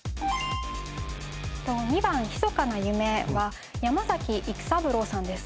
２番『ひそかな夢』は山崎育三郎さんです。